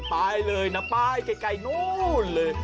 ไปเลยนะไปไกลนู้นเลย